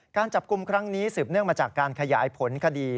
การจับกลุ่มครั้งนี้สืบเนื่องมาจากการขยายผลคดี